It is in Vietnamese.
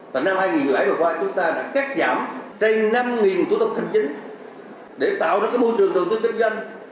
và năm hai nghìn một mươi bảy vừa qua chúng ta đã cắt giảm trên năm thủ tướng kinh tính để tạo ra môi trường thủ tướng kinh doanh